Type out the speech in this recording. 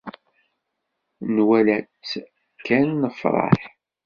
Nwala-tt kan nefṛeḥ.